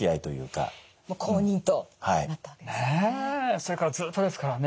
それからずっとですからね